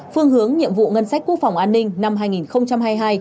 phương hướng nhiệm vụ ngân sách quốc phòng an ninh năm hai nghìn hai mươi hai